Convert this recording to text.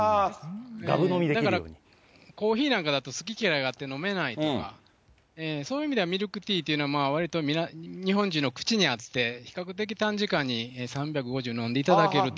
だから、コーヒーなんかだと、好き嫌いがあって飲めないとか、そういう意味では、ミルクティーというのは、わりと日本人の口に合って、比較的短時間に３５０飲んでいただけると。